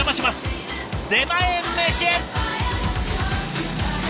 「出前メシ」！